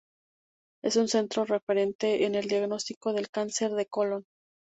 Es un centro referente en el diagnóstico del cáncer de colon.